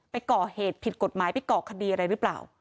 ไปก่อเหตุผิดกฎหมายไปก่อคดีอะไรหรือเปล่า